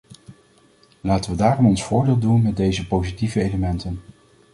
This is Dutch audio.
Laten we daarom ons voordeel doen met deze positieve elementen.